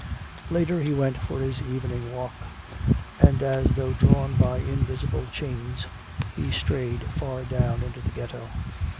Later he went for his evening walk. And as though drawn by invisible chains he strayed far down into the ghetto.